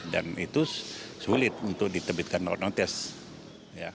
dan itu sulit untuk ditebitkan no notice